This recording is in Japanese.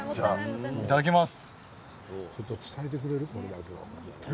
いただきます。